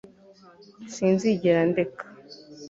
sinzigera ndeka